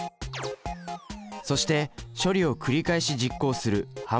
そして処理を繰り返し実行する「反復」です。